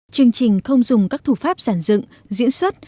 chương trình không dùng các thủ pháp giản dựng diễn xuất